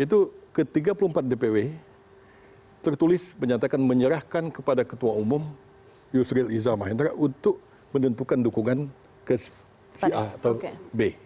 itu ke tiga puluh empat dpw tertulis menyatakan menyerahkan kepada ketua umum yusril iza mahendra untuk menentukan dukungan ke si a atau b